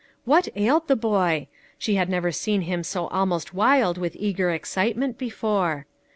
What ailed the boy ? She had never seen him so almost wild with eager excitement before.